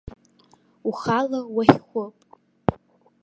Ухала уахьхәып.